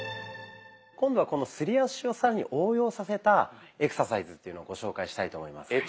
今度はこのすり足を更に応用させたエクササイズっていうのをご紹介したいと思います。